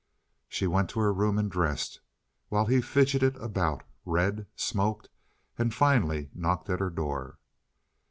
She went to her room and dressed, while he fidgeted about, read, smoked, and finally knocked at her door.